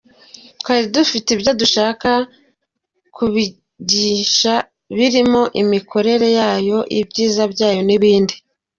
Twari dufite ibyo dushaka kubigisha birimo imikorere yayo, ibyiza byayo n’ibindi.